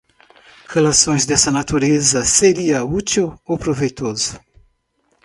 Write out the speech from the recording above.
relações desta natureza seria útil ou proveitoso